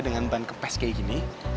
dengan ban kepas kayak gini